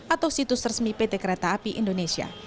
atau situs resmi pt kereta api indonesia